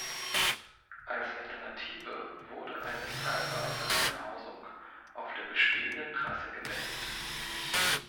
Als Alternative wurde eine teilweise Einhausung auf der bestehenden Trasse gemeldet.